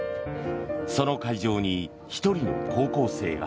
その会場に、１人の高校生が。